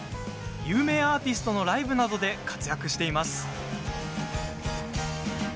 有名アーティストのライブなどで活躍しています。